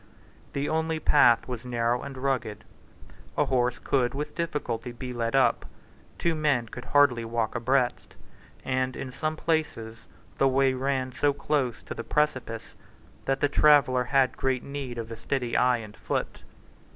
The only path was narrow and rugged: a horse could with difficulty be led up: two men could hardly walk abreast; and, in some places, the way ran so close by the precipice that the traveller had great need of a steady eye and foot.